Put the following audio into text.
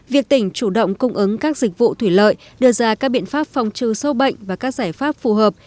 việc tỉnh chủ động cung ứng các dịch vụ thủy lợi đưa ra các biện pháp phòng trừ sâu bệnh và các giải pháp phù hợp